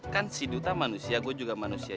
kan si duta manusia gue juga manusia